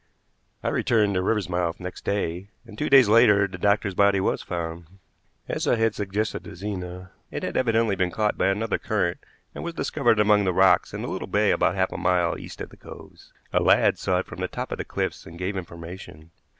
I returned to Riversmouth next day, and two days later the doctor's body was found. As I had suggested to Zena, it had evidently been caught by another current, and was discovered among the rocks in a little bay about half a mile east of the coves. A lad saw it from the top of the cliffs and gave information.